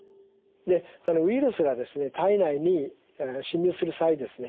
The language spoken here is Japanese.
ウイルスが体内に侵入する際にですね